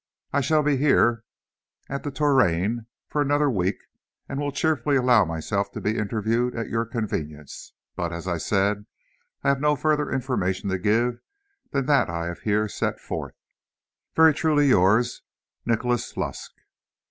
I shall be here, at The Touraine, for another week, and will cheerfully allow myself to be interviewed at your convenience, but, as I said, I have no further information to give than that I have here set forth. Very truly yours, Nicholas Lusk.